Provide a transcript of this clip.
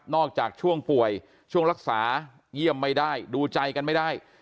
จากช่วงป่วยช่วงรักษาเยี่ยมไม่ได้ดูใจกันไม่ได้